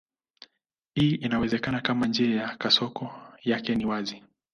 Hii inawezekana kama njia ya kasoko yake ni wazi.